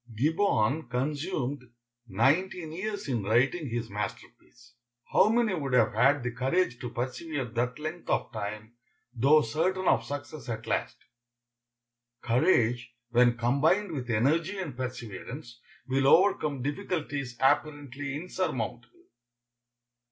Gibbon consumed nineteen years in writing his masterpiece. How many would have had the courage to persevere that length of time, though certain of success at last? Courage, when combined with energy and perseverance, will overcome difficulties apparently insurmountable.